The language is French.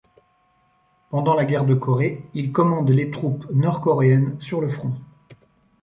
Pendant la guerre de Corée, il commande les troupes nord-coréennes sur le front.